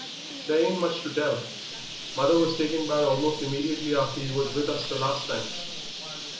"There ain't much to tell. Mother was taken bad almost immediately after you was with us the last time.